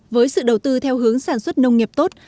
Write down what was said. với sự đầu tư theo hướng sản xuất nông nghiệp tốt